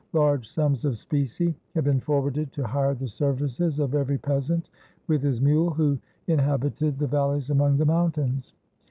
Large sums of specie had been forwarded, to hire the services of every peasant, with his mule, who inhabited the valleys among the mountains.